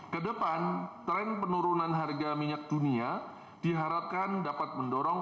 kedepan tren penurunan harga minyak dunia diharapkan dapat mendorong